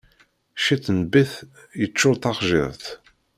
Ciṭ n biṭ yeččuṛ taxjiṭ.